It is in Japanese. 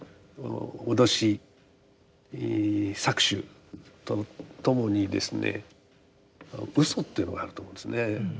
脅し搾取とともにですね嘘というのがあると思うんですね。